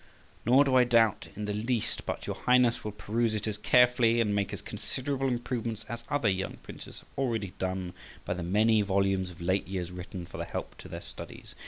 Nor do I doubt in the least but your Highness will peruse it as carefully and make as considerable improvements as other young princes have already done by the many volumes of late years written for a help to their studies.